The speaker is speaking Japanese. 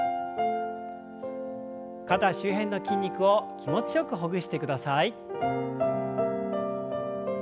肩周辺の筋肉を気持ちよくほぐしてください。